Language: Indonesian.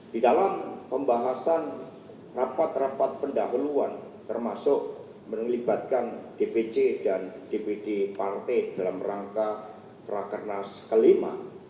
di dalam pembahasan rapat rapat pendahuluan termasuk melibatkan dpc dan dpd partai dalam rangka prakernas kelima